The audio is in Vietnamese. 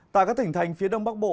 tại các tỉnh thành phía đông bắc bộ